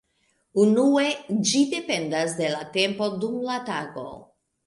Unue ĝi dependas de la tempo dum la tago.